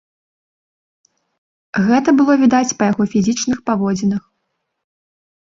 Гэта было відаць па яго фізічных паводзінах.